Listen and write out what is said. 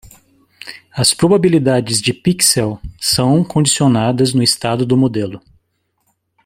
As probabilidades de pixel são condicionadas no estado do modelo.